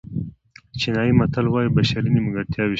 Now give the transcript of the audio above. چینایي متل وایي بشري نیمګړتیاوې شته.